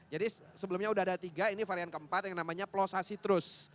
jadi sebelumnya sudah ada tiga ini varian keempat yang namanya plosa citrus